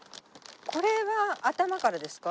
これは頭からですか？